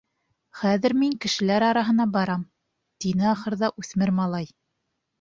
— Хәҙер мин кешеләр араһына барам, — тине ахырҙа үҫмер малай.